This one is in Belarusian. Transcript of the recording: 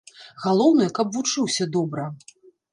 Галоўнае, каб вучыўся добра.